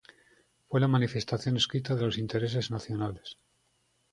Fue la manifestación escrita de los intereses nacionales.